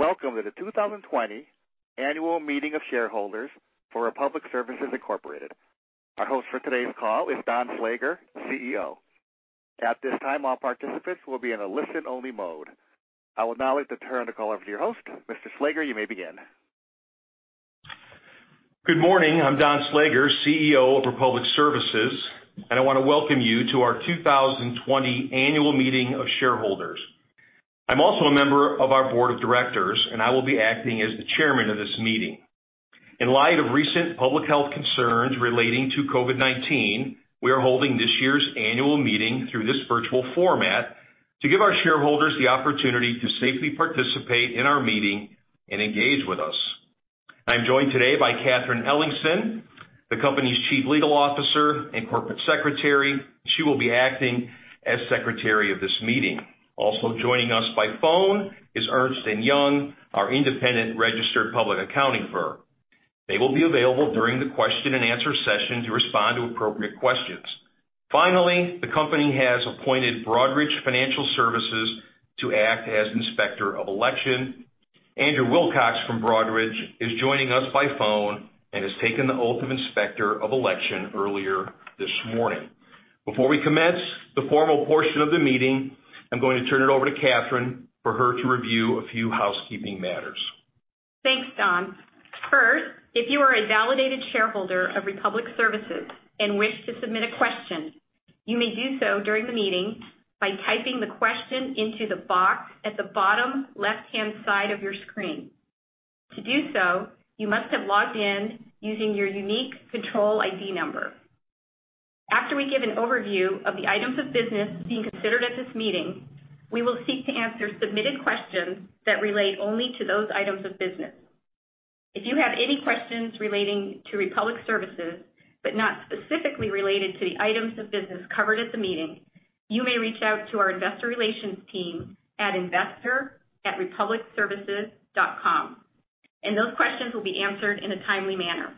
Welcome to the 2020 annual meeting of shareholders for Republic Services, Inc. Our host for today's call is Don Slager, CEO. At this time, all participants will be in a listen-only mode. I would now like to turn the call over to your host. Mr. Slager, you may begin. Good morning. I'm Don Slager, CEO of Republic Services. I want to welcome you to our 2020 annual meeting of shareholders. I'm also a member of our board of directors. I will be acting as the Chairman of this meeting. In light of recent public health concerns relating to COVID-19, we are holding this year's annual meeting through this virtual format to give our shareholders the opportunity to safely participate in our meeting and engage with us. I'm joined today by Catharine Ellingsen, the company's Chief Legal Officer and Corporate Secretary. She will be acting as Secretary of this meeting. Also joining us by phone is Ernst & Young, our independent registered public accounting firm. They will be available during the question and answer session to respond to appropriate questions. Finally, the company has appointed Broadridge Financial Solutions to act as Inspector of Election. Andrew Wilcox from Broadridge is joining us by phone and has taken the oath of Inspector of Election earlier this morning. Before we commence the formal portion of the meeting, I'm going to turn it over to Catharine for her to review a few housekeeping matters. Thanks, Don. First, if you are a validated shareholder of Republic Services and wish to submit a question, you may do so during the meeting by typing the question into the box at the bottom left-hand side of your screen. To do so, you must have logged in using your unique control ID number. After we give an overview of the items of business being considered at this meeting, we will seek to answer submitted questions that relate only to those items of business. If you have any questions relating to Republic Services, but not specifically related to the items of business covered at the meeting, you may reach out to our investor relations team at investor@republicservices.com, and those questions will be answered in a timely manner.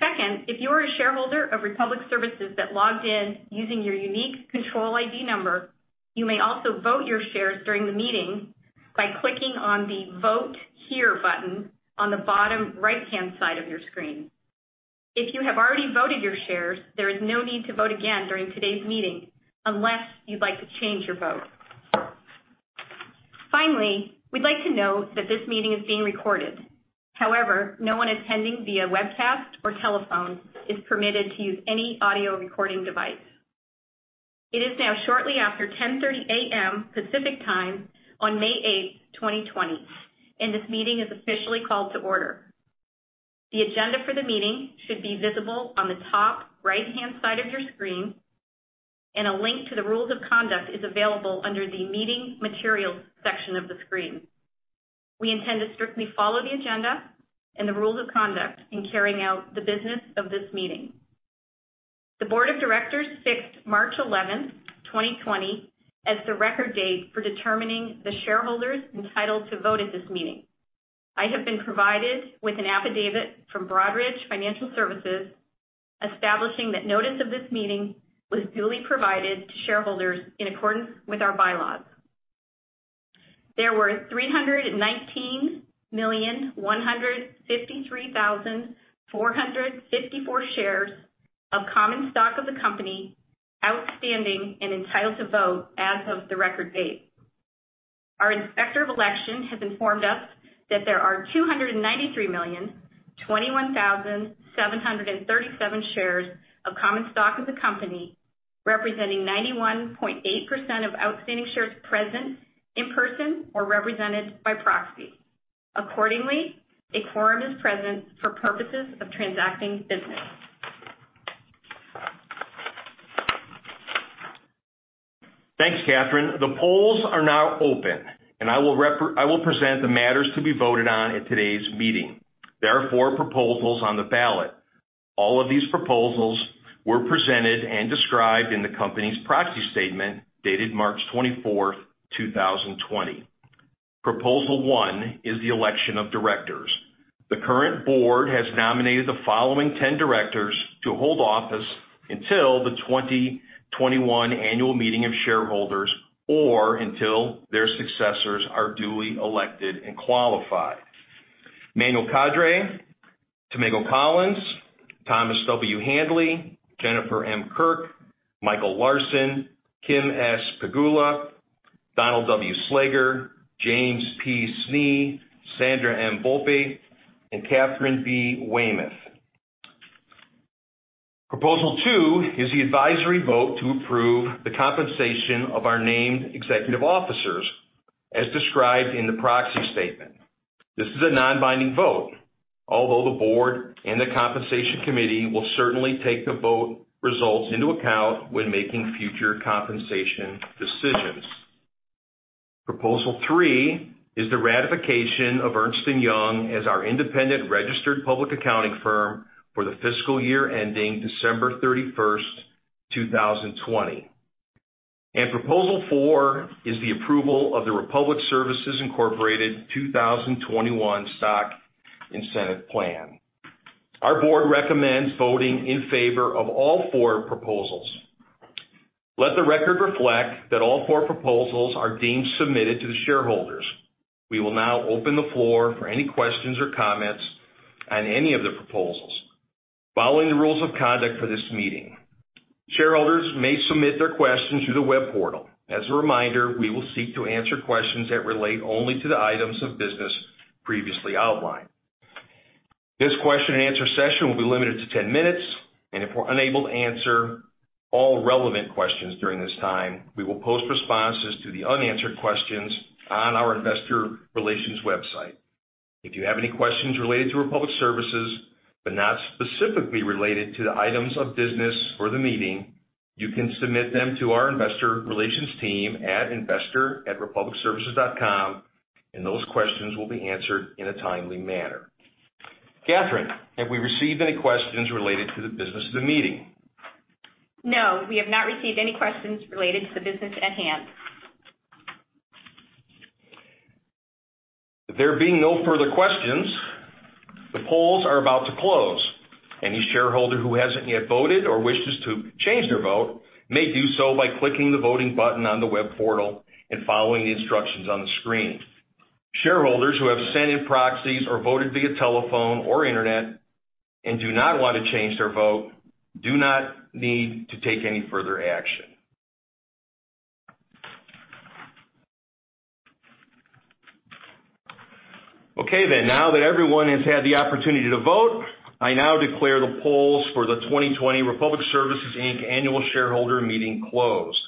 Second, if you are a shareholder of Republic Services that logged in using your unique control ID number, you may also vote your shares during the meeting by clicking on the Vote Here button on the bottom right-hand side of your screen. If you have already voted your shares, there is no need to vote again during today's meeting unless you'd like to change your vote. Finally, we'd like to note that this meeting is being recorded. However, no one attending via webcast or telephone is permitted to use any audio recording device. It is now shortly after 10:30 A.M. Pacific Time on May 8th, 2020, and this meeting is officially called to order. The agenda for the meeting should be visible on the top right-hand side of your screen, and a link to the rules of conduct is available under the Meeting Materials section of the screen. We intend to strictly follow the agenda and the rules of conduct in carrying out the business of this meeting. The board of directors fixed March 11th, 2020, as the record date for determining the shareholders entitled to vote at this meeting. I have been provided with an affidavit from Broadridge Financial Solutions establishing that notice of this meeting was duly provided to shareholders in accordance with our bylaws. There were 319,153,454 shares of common stock of the company outstanding and entitled to vote as of the record date. Our inspector of election has informed us that there are 293,021,737 shares of common stock of the company, representing 91.8% of outstanding shares present in person or represented by proxy. Accordingly, a quorum is present for purposes of transacting business. Thanks, Catharine. The polls are now open, and I will present the matters to be voted on at today's meeting. There are four proposals on the ballot. All of these proposals were presented and described in the company's proxy statement dated March 24th, 2020. Proposal one is the election of directors. The current board has nominated the following 10 directors to hold office until the 2021 annual meeting of shareholders, or until their successors are duly elected and qualified. Manuel Kadre, Tomago Collins, Thomas W. Handley, Jennifer M. Kirk, Michael Larson, Kim S. Pegula, Donald W. Slager, James P. Snee, Sandra M. Volpe, and Katharine B. Weymouth. Proposal two is the advisory vote to approve the compensation of our named executive officers as described in the proxy statement. This is a non-binding vote. Although the board and the compensation committee will certainly take the vote results into account when making future compensation decisions. Proposal three is the ratification of Ernst & Young as our independent registered public accounting firm for the fiscal year ending December 31st, 2020. Proposal four is the approval of the Republic Services, Inc. 2021 Stock Incentive Plan. Our board recommends voting in favor of all four proposals. Let the record reflect that all four proposals are deemed submitted to the shareholders. We will now open the floor for any questions or comments on any of the proposals following the rules of conduct for this meeting. Shareholders may submit their questions through the web portal. As a reminder, we will seek to answer questions that relate only to the items of business previously outlined. This question and answer session will be limited to 10 minutes, and if we're unable to answer all relevant questions during this time, we will post responses to the unanswered questions on our investor relations website. If you have any questions related to Republic Services but not specifically related to the items of business for the meeting, you can submit them to our investor relations team at investor@republicservices.com, and those questions will be answered in a timely manner. Catharine, have we received any questions related to the business of the meeting? No, we have not received any questions related to the business at hand. There being no further questions, the polls are about to close. Any shareholder who hasn't yet voted or wishes to change their vote may do so by clicking the voting button on the web portal and following the instructions on the screen. Shareholders who have sent in proxies or voted via telephone or internet and do not want to change their vote do not need to take any further action. Okay, then. Now that everyone has had the opportunity to vote, I now declare the polls for the 2020 Republic Services Inc. annual shareholder meeting closed.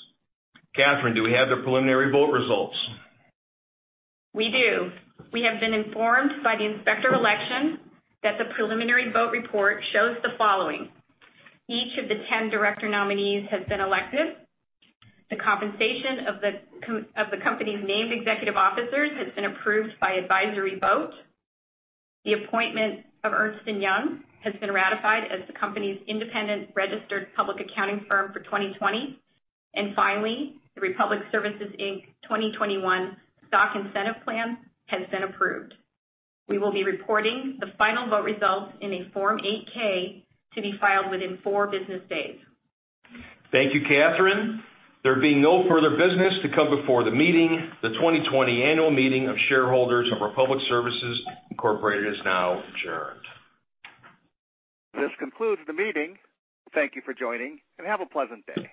Catharine, do we have the preliminary vote results? We do. We have been informed by the Inspector of Elections that the preliminary vote report shows the following. Each of the 10 director nominees has been elected. The compensation of the company's named executive officers has been approved by advisory vote. The appointment of Ernst & Young has been ratified as the company's independent registered public accounting firm for 2020. Finally, the Republic Services Inc. 2021 Stock Incentive Plan has been approved. We will be reporting the final vote results in a Form 8-K to be filed within four business days. Thank you, Catharine. There being no further business to come before the meeting, the 2020 annual meeting of shareholders of Republic Services, Inc. is now adjourned. This concludes the meeting. Thank you for joining, and have a pleasant day.